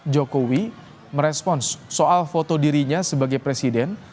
jokowi merespons soal foto dirinya sebagai presiden